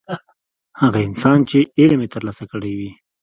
هغه انسان چې علم یې ترلاسه کړی وي.